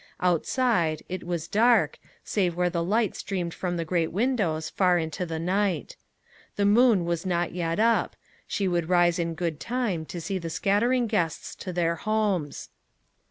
Outside, it was dark, save where the light streamed from the great windows far into the night. The moon was not yet up; she would rise in good time to see the scattering guests to their homes.